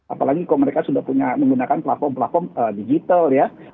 apalagi kalau mereka sudah punya menggunakan platform platform digital ya